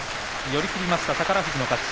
寄り切りました、宝富士の勝ち。